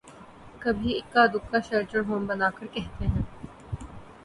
کبھی اکا دکا شیلٹر ہوم بنا کر کہتے ہیں۔